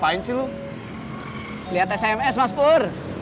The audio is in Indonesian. antes apa siau